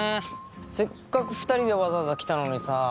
せっかく２人でわざわざ来たのにさ。